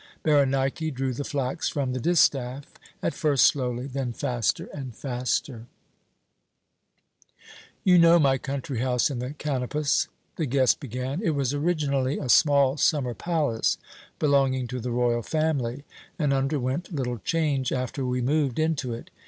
Berenike drew the flax from the distaff, at first slowly, then faster and faster. "You know my country house in the Kanopus," the guest began. "It was originally a small summer palace belonging to the royal family, and underwent little change after we moved into it.